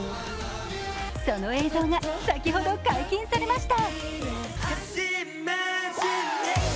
その映像が先ほど解禁されました。